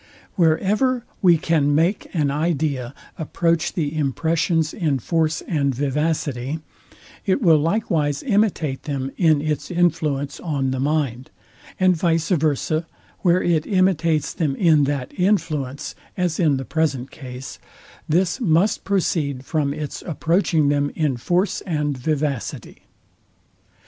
Wherever we can make an idea approach the impressions in force and vivacity, it will likewise imitate them in its influence on the mind; and vice versa, where it imitates them in that influence, as in the present case, this must proceed from its approaching them in force and vivacity.